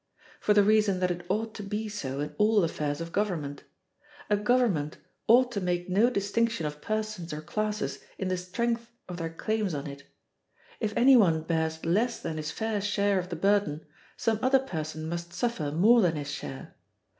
For the reason that it ought to be so in all affairs of government. A government ought to make no distinction of persons or classes in the strength of their claims on it. If any one bears less than his fair share of the burden, some other person must suffer more than his share.